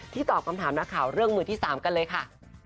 ตอบคำถามนักข่าวเรื่องมือที่๓กันเลยค่ะ